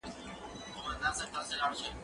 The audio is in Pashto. هغه څوک چي ښوونځی ته ځي زدکړه کوي؟!